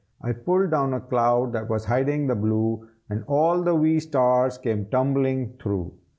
I pulled down a cloud that was hiding the blue, And all the wee stars came tumbling through.